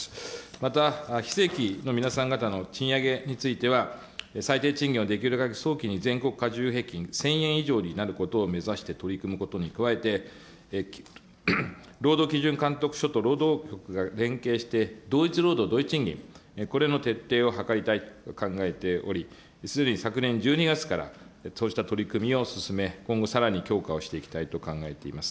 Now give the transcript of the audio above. また非正規の皆さん方の賃上げについては、最低賃金をできるだけ早期に全国加重平均１０００円以上になることを目指して取り組むことに加えて、労働基準監督署と労働局が連携して、同一労働同一賃金、これの徹底を図りたいと考えており、すでに昨年１２月からそうした取り組みを進め、今後さらに強化をしていきたいと考えております。